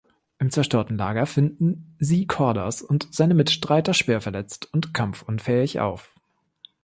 Im zerstörten Lager finden sie Cordas und seine Mitstreiter schwer verletzt und kampfunfähig auf.